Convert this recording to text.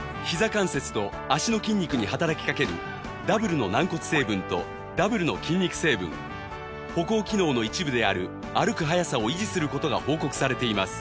関節と脚の筋肉に働きかけるダブルの軟骨成分とダブルの筋肉成分歩行機能の一部である歩く早さを維持する事が報告されています